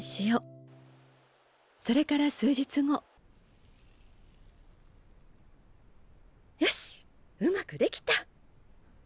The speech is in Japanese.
それからよしうまくできた！